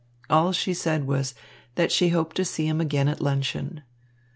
All she said was that she hoped to see him again at luncheon.